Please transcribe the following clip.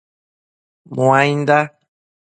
Muainda